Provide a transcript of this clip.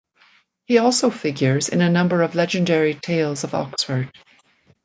He also figures in a number of legendary tales of Oxford.